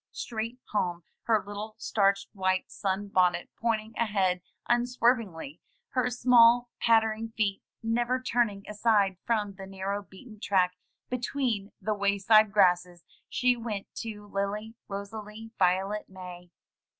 Straight home, her little starched white sun bon net pointing ahead unswervingly, her small pattering feet never 88 THROUGH FAIRY HALLS turning aside from the narrow beaten track between the way side grasses, she went to Lily Rosalie Violet May.